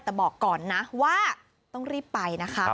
แต่บอกก่อนนะว่าต้องรีบไปนะคะ